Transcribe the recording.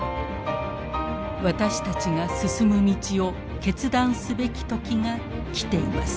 私たちが進む道を決断すべき時が来ています。